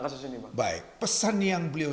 kasus ini baik pesan yang beliau